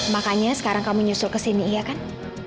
makanya sekarang kamu nyusul kesini iya kan